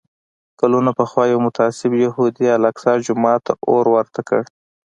کلونه پخوا یو متعصب یهودي الاقصی جومات ته اور ورته کړ.